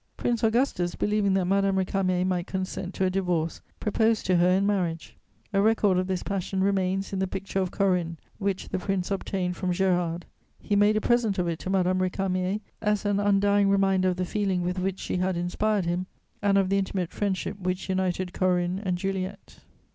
Prince Augustus, believing that Madame Récamier might consent to a divorce, proposed to her in marriage. A record of this passion remains in the picture of Corinne, which the Prince obtained from Gérard; he made a present of it to Madame Récamier as an undying reminder of the feeling with which she had inspired him and of the intimate friendship which united Corinne and Juliet.